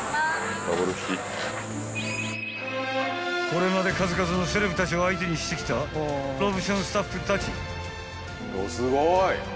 ［これまで数々のセレブたちを相手にしてきたロブションスタッフたち］